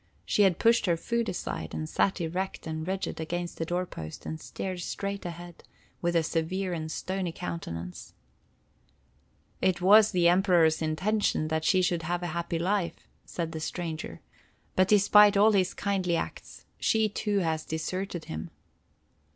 She had pushed her food aside, and sat erect and rigid against the door post, and stared straight ahead, with a severe and stony countenance. "It was the Emperor's intention that she should have a happy life," said the stranger. "But, despite all his kindly acts, she too has deserted him."